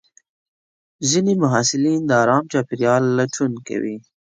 ځینې محصلین د ارام چاپېریال لټون کوي.